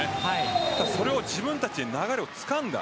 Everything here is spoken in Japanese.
ただ、それを自分たちで流れを掴んだ。